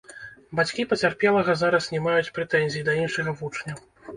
Бацькі пацярпелага зараз не маюць прэтэнзій да іншага вучня.